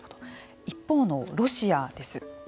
一方のロシアです。